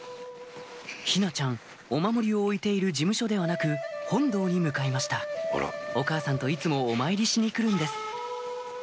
陽菜ちゃんお守りを置いている寺務所ではなく本堂に向かいましたお母さんといつもお参りしに来るんです